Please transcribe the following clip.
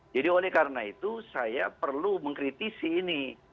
jadi oleh karena itu saya perlu mengkritisi ini